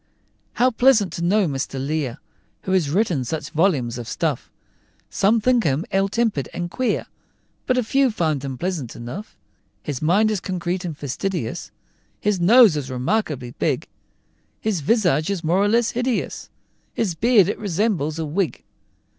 "How pleasant to know Mr. Lear!" Who has written such volumes of stuff! Some think him ill tempered and queer, But a few think him pleasant enough. His mind is concrete and fastidious, His nose is remarkably big; His visage is more or less hideous, His beard it resembles a wig.